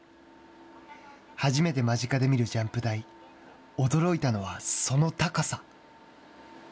初めて間近で見るジャンプ台驚いたのはその高さ。